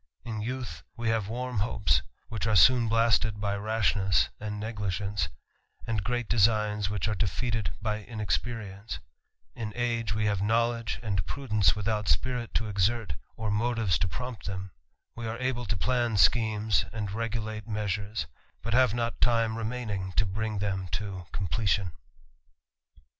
* In youth, we ha ve w arm hopes^ which are soon blasted by rashness^ an d neglige nce, agi great designs, which are defeated by inexpeofigce. we have knowledge and pm/^An/^A wifh/Mif cpirif ^r. fyf^f^ motives to prompt them j^ we are able t n plan srhrmrT, in^a. regulate measures ; but have not ti me rem aipj"g tft h"*^^ them to completion.